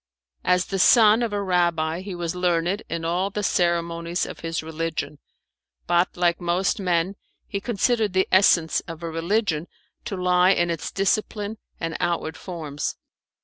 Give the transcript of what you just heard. As the son of a rabbi he was learned in all the ceremonies of his religion, but like most men he considered the essence of a religion to lie in its discipline and outward forms.